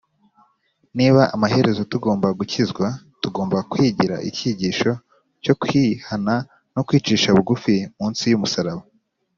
Niba amaherezo tugomba gukizwa, tugomba kwigira icyigisho cyo kwihana no kwicisha bugufi munsi y’umusaraba